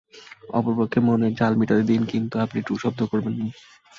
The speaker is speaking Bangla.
অপরপক্ষকে মনের ঝাল মেটাতে দিন কিন্তু আপনি টুঁ শব্দটিও করবেন না।